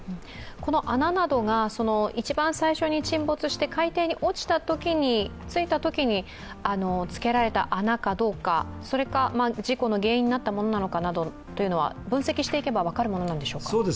穴などが一番最初に沈没して海底についたときにつけられた穴かどうか、事故の原因になったものなのかは分析していけば分かるものなのでしょうか？